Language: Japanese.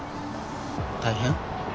大変？